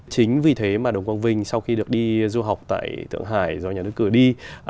chính vì thế mà đồng quang vinh sau khi được đi du học tại thượng hải do nhà nước cử đi